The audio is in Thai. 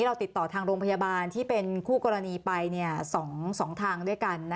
เราติดต่อทางโรงพยาบาลที่เป็นคู่กรณีไป๒ทางด้วยกัน